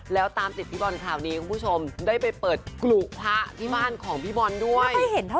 แล้วตามติดพี่บอลคราวนี้คุณผู้ชมได้ไปเปิดกลุพระที่บ้านของพี่บอลด้วย